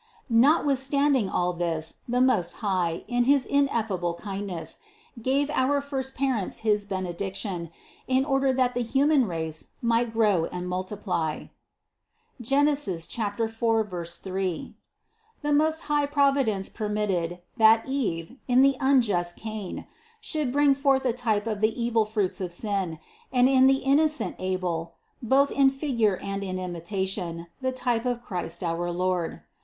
143. Notwithstanding all this the Most High, in his ineffable kindness, gave our first parents his benediction, in order that the human race might grow and multiply (Gen. 4, 3). The most high Providence permitted, that Eve, in the unjust Cain, should bring forth a type of the evil fruits of sin, and in the innocent Abel, both in figure and in imitation, the type of Christ our Lord.